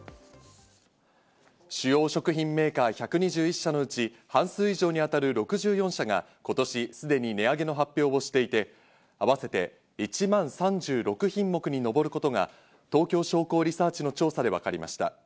主要食品メーカー１２１社のうち、半数以上に当たる６４社が、今年すでに値上げを発表していて、合わせて１万３６品目に上ることが東京商工リサーチの調査でわかりました。